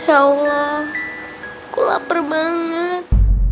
insya allah aku lapar banget